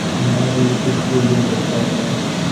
میں بھی اسی سکول میں پڑھتا تھا۔